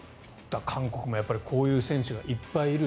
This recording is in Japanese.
韓国もこういう選手がいっぱいいる。